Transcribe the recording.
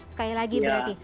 sekali lagi berarti